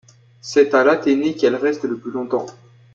C'est à l'Athénée qu'elle reste le plus longtemps.